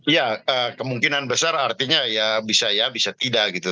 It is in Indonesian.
ya kemungkinan besar artinya ya bisa ya bisa tidak gitu